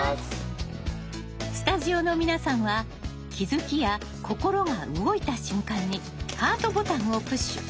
スタジオの皆さんは気づきや心が動いた瞬間にハートボタンをプッシュ。